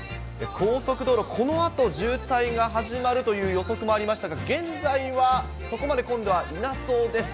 高速道路、このあと渋滞が始まるという予測もありましたけれども、現在はそこまで混んではいなそうです。